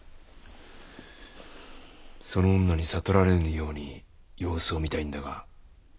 その女に悟られぬように様子を見たいんだができるか？